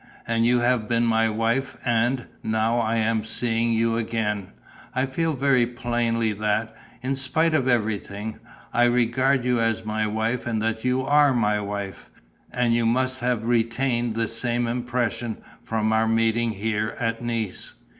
And you have been my wife; and, now that I am seeing you again, I feel very plainly that, in spite of everything, I regard you as my wife and that you are my wife. And you must have retained the same impression from our meeting here, at Nice."